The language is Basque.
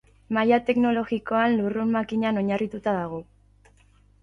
Maila teknologikoan lurrun-makinan oinarrituta dago.